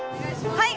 はい！